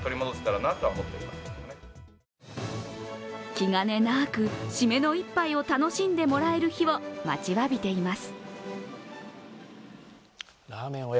気兼ねなく締めの一杯を楽しんでもらえる日を待ちわびています。